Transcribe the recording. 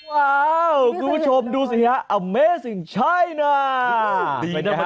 ว้าวคุณผู้ชมดูสิฮะอเมซิ่งชายน่า